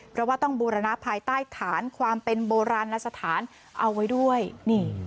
เพราะว่าต้องบูรณะภายใต้ฐานความเป็นโบราณสถานเอาไว้ด้วยนี่